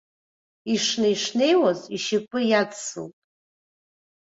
Ишнеи-шнеиуаз ишьапы иадсылт.